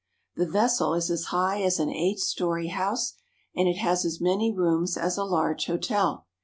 The vessel is as high as an eight story house, and it has as many rooms as a large hotel.